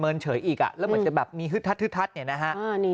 เมินเฉยอีกอ่ะแล้วมันจะแบบมีฮึดทัดฮึดทัดเนี่ยนะฮะนี่